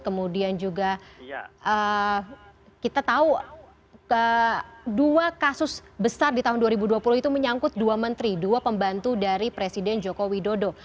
kemudian juga kita tahu dua kasus besar di tahun dua ribu dua puluh itu menyangkut dua menteri dua pembantu dari presiden joko widodo